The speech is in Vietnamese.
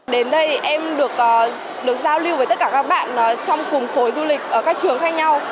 đến đây thì em được giao lưu với tất cả các bạn trong cùng khối du lịch ở các trường khác nhau